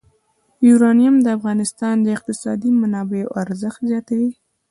یورانیم د افغانستان د اقتصادي منابعو ارزښت زیاتوي.